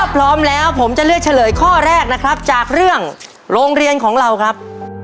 พร้อมแล้วผมจะเลือกเฉลยข้อแรกนะครับจากเรื่องโรงเรียนของเราครับ